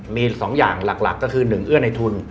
มี๒อย่างหลักก็คือ๑เอื้อในทุน